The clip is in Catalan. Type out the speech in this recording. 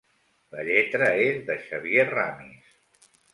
La lletra és de Xavier Ramis.